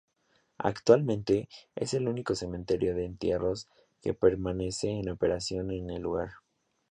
Actualmente, es el único cementerio de entierros que permanece en operación en el lugar.